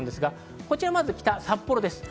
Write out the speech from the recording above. こちらまず札幌です。